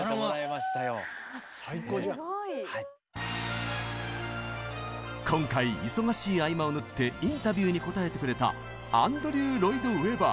すごい。今回忙しい合間を縫ってインタビューに答えてくれたアンドリュー・ロイド＝ウェバー。